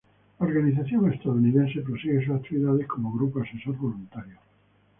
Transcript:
La organización estadounidense prosigue sus actividades como grupo asesor voluntario.